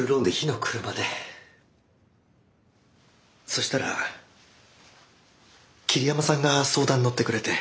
そしたら桐山さんが相談に乗ってくれて。